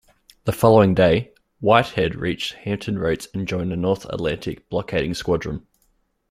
The following day, "Whitehead" reached Hampton Roads and joined the North Atlantic Blockading Squadron.